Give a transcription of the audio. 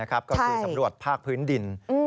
ก็คือสำรวจภาคพื้นดิน